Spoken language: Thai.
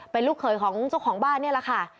เป็นลูกเขยของเจ้าของบ้านนี่แหละค่ะ